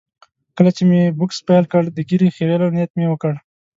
کله چې مې بوکس پیل کړ، د ږیرې خریلو نیت مې وکړ.